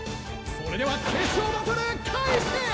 それでは決勝バトル開始！